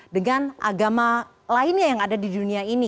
dengan agama lainnya yang ada di dunia ini